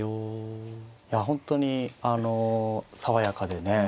本当に爽やかでね